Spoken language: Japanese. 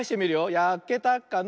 やけたかな。